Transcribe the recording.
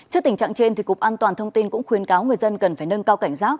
trước tình trạng trên cục an toàn thông tin cũng khuyên cáo người dân cần phải nâng cao cảnh giác